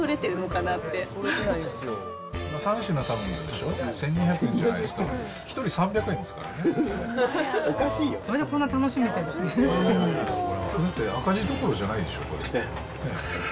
だって赤字どころじゃないでしょ、これ。